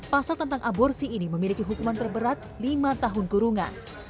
pasal tentang aborsi ini memiliki hukuman terberat lima tahun kurungan